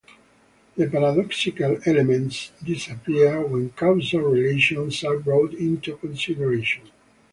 The paradoxical elements disappear when causal relations are brought into consideration.